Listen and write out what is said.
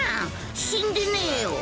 死んでねぇよ。